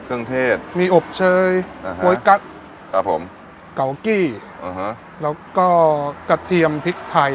เครื่องเทศมีอบเชยโป๊ยกั๊กครับผมก๋าวกี้อ่าฮะแล้วก็กระเทียมพริกไทย